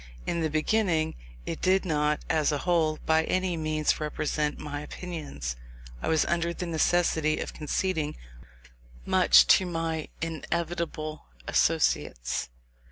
In the beginning, it did not, as a whole, by any means represent my opinions. I was under the necessity of conceding much to my inevitable associates.